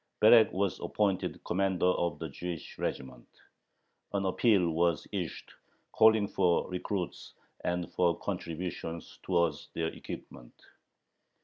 Berek was appointed commander of the Jewish regiment. An appeal was issued calling for recruits and for contributions towards their equipment.